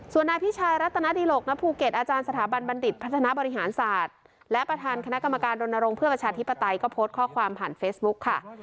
ส่วนนายพิชัยรัตนดิหลกณภูเก็ตอาจารย์สถาบันบัณฑิตพัฒนาบริหารศาสตร์และประธานคณะกรรมการรณรงค์เพื่อประชาธิปไตยก็โพสต์ข้อความผ่านเฟซบุ๊คค่ะ